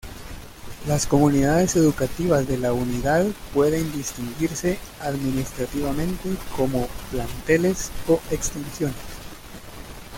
Las comunidades educativas de la Unidad pueden distinguirse administrativamente como planteles o extensiones.